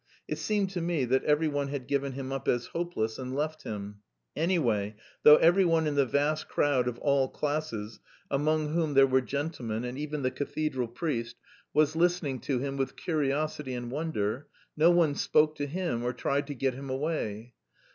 It seemed to me that every one had given him up as hopeless and left him. Anyway, though every one in the vast crowd of all classes, among whom there were gentlemen, and even the cathedral priest, was listening to him with curiosity and wonder, no one spoke to him or tried to get him away.